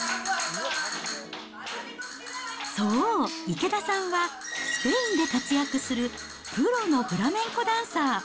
そう、池田さんはスペインで活躍するプロのフラメンコダンサー。